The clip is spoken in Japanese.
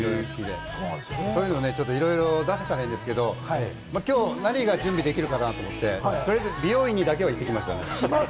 いろいろ出せたらいいんですけど、今日は何が準備できるかなと思って、とりあえず美容院だけにはいってきました。